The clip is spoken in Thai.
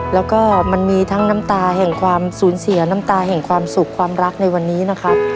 แล้วก็มันมีทั้งน้ำตาแห่งความสูญเสียน้ำตาแห่งความสุขความรักในวันนี้นะครับ